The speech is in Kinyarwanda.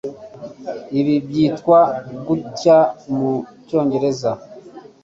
Ibi byitwa gutya mu cyongereza